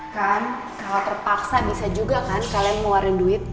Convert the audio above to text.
kan kalau terpaksa bisa juga kan kalian ngeluarin duit